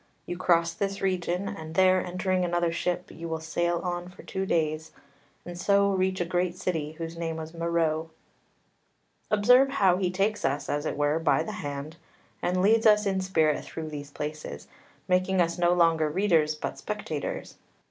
You cross this region, and there entering another ship you will sail on for two days, and so reach a great city, whose name is Meroe." Observe how he takes us, as it were, by the hand, and leads us in spirit through these places, making us no longer readers, but spectators.